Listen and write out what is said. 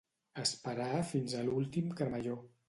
Esperar fins a l'últim cremalló.